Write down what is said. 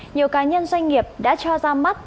nhiều cá nhân doanh nghiệp đã cho ra mắt